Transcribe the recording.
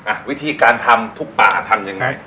อ่ะวิธีการทำทุกป่าทำยังไง